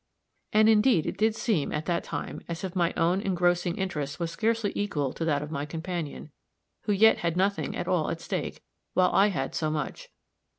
And indeed it did seem, at that time, as if my own engrossing interest was scarcely equal to that of my companion, who yet had nothing at all at stake, while I had so much.